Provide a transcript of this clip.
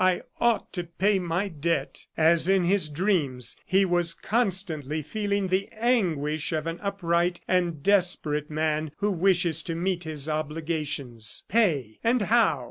"I ought to pay my debt." As in his dreams, he was constantly feeling the anguish of an upright and desperate man who wishes to meet his obligations. Pay! ... and how?